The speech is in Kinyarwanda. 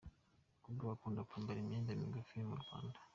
Abakobwa bakunda kwambara imyenda migufi murwanda